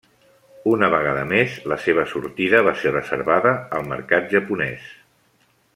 Una vegada més, la seva sortida va ser reservada al mercat japonès.